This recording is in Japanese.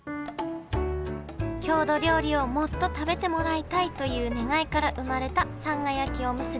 郷土料理をもっと食べてもらいたいという願いから生まれたさんが焼きおむすび。